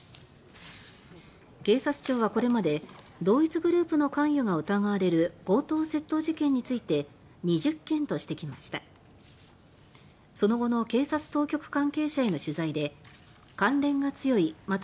警察庁はこれまで同一グループの関与が疑われる強盗・窃盗事件について２０件としてきました。